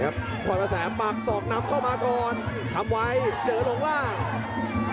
พรกระแสมปากศอกนำเข้ามาก่อนทำไว้เจอตรงล่าง